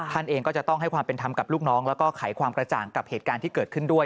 ท่านเองก็จะต้องให้ความเป็นธรรมกับลูกน้องแล้วก็ไขความกระจ่างกับเหตุการณ์ที่เกิดขึ้นด้วย